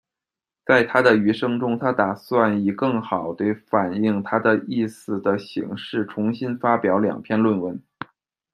在他的余生中，他打算以更好地反映他的意思的形式重新发表两篇论文。